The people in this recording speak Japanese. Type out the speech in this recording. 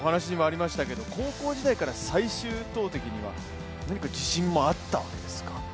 高校時代から最終投てきには自信があったんですか？